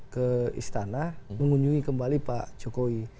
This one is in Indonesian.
ke istana mengunjungi kembali pak jokowi